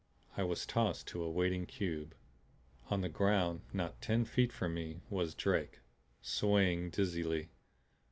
I was tossed to a waiting cube. On the ground, not ten feet from me, was Drake, swaying dizzily.